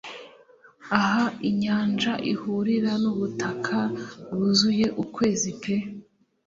Aho inyanja ihurira nubutaka bwuzuye ukwezi pe